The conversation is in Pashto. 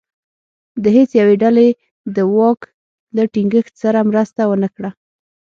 د هېڅ یوې ډلې دواک له ټینګښت سره مرسته ونه کړه.